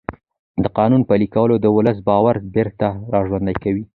د قانون پلي کول د ولس باور بېرته راژوندی کوي